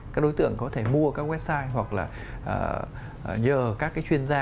các đối tượng có thể mua các website hoặc là nhờ các cái chuyên gia